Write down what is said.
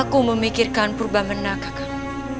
aku memikirkan purba menak kakak